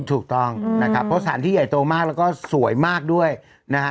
ถูกต้องนะครับเพราะสารที่ใหญ่โตมากแล้วก็สวยมากด้วยนะฮะ